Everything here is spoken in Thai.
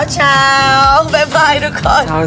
เช้าบ๊ายทุกคน